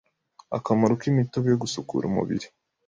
Akamaro k’imitobe yo gusukura umubiri: